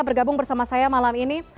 bergabung bersama saya malam ini